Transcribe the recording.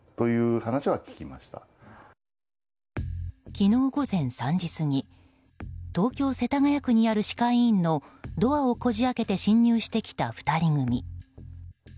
昨日午前３時過ぎ東京・世田谷区にある歯科医院のドアをこじ開けて侵入してきた２人組。